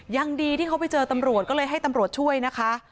ยังดีที่เขาไปเจอตำรวจก็เลยให้ตำรวจช่วยนะคะ